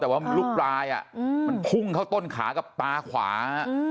แต่ว่าลูกปลายมันพุ่งเข้าต้นขากับตาขวา